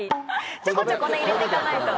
ちょこちょこ入れていかないと。